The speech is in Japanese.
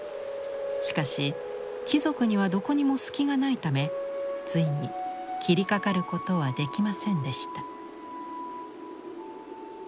しかし貴族にはどこにも隙がないためついに斬りかかることはできませんでした。